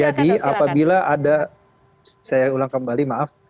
jadi apabila ada saya ulang kembali maaf